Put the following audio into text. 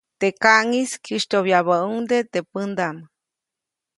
Teʼ kaʼŋis kyäʼsytyoʼbyabäʼuŋ teʼ pädaʼm.